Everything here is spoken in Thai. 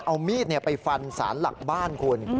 เอามีดไปฟันสารหลักบ้านคุณ